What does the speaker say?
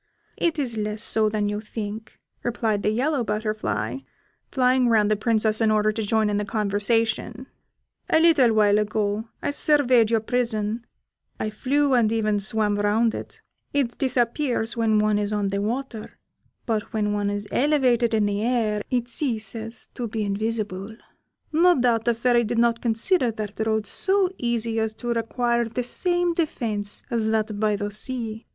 "It is less so than you think," replied the yellow butterfly, flying round the Princess in order to join in the conversation: "a little while ago, I surveyed your prison, I flew and even swam round it; it disappears when one is on the water, but when one is elevated in the air it ceases to be invisible. No doubt the Fairy did not consider that road so easy as to require the same defence as that by the sea.